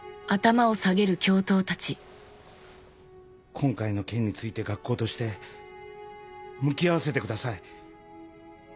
今回の件について学校として向き合わせてください。